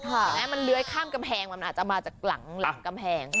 เห็นไหมมันเลื้อยข้ามกำแพงมันอาจจะมาจากหลังกำแพง